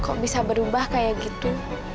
kok bisa berubah kayak gitu